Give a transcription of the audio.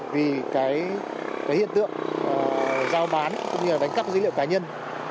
vì cái hiện tượng giao bán cũng như là đánh cắp dữ liệu cá nhân